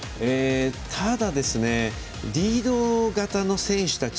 ただ、リード型の選手たち